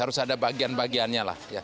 harus ada bagian bagiannya lah